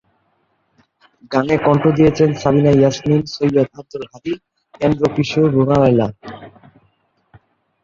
গানে কণ্ঠ দিয়েছেন সাবিনা ইয়াসমিন, সৈয়দ আব্দুল হাদী, এন্ড্রু কিশোর, রুনা লায়লা।